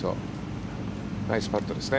ナイスパットですね。